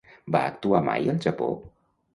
Va actuar mai al Japó?